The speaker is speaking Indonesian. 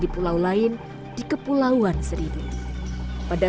sudah tidak ada